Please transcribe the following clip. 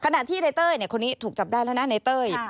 ขณะที่ในเต้ยคนนี้ถูกจับได้แล้วนะในเต้ย